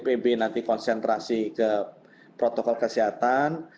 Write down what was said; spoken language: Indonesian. saat ksbnpb nanti konsentrasi ke protokol kesehatan